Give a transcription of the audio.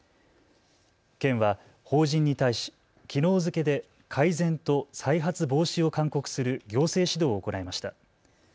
県は法人に対しきのう付けで改善と再発防止を勧告する行政指導を行いました。